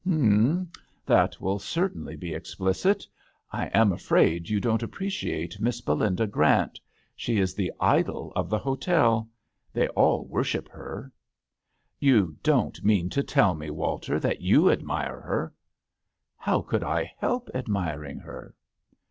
*"" Hum ! That will certainly be explicit. I am afraid you don't appreciate Miss Belinda Grant. She is the idol of the hotel. They all worship her.'* " You don't mean to tell me, Walter, that you admire her !"How could I help admiring her."